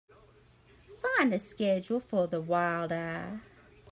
Find the schedule for The Wild Eye.